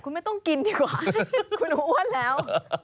คุณไม่ต้องกินดีกว่าคุณอ้วนแล้ว